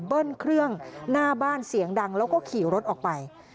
เบิ้ลเครื่องหน้าบ้านเสียงดังแล้วก็ขี่รถออกไป